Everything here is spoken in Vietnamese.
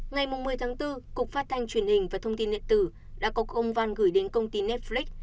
ngày một mươi tháng bốn cục phát thanh truyền hình và thông tin điện tử đã có công văn gửi đến công ty netflix